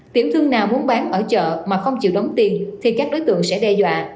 tiểu thương nào muốn bán ở chợ mà không chịu đóng tiền thì các đối tượng sẽ đe dọa